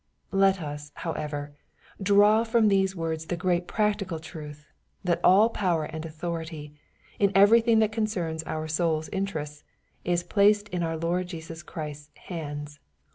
Let us, however, draw from these words tlie great practical truth, that all power and authority, in every thing that <ioncerns our soul's interests, is placed in our Lord Jesus Christ's hands.